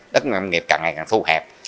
đất nông nghiệp càng ngày càng thu hẹp